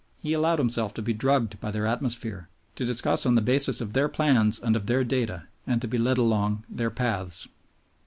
He allowed himself to be drugged by their atmosphere, to discuss on the basis of their plans and of their data, and to be led along their paths.